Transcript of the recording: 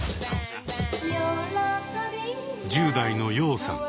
１０代のヨウさん。